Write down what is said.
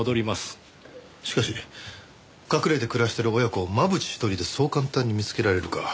しかし隠れて暮らしている親子を真渕一人でそう簡単に見つけられるか？